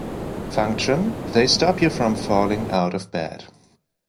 Function: they stop you from falling out of bed.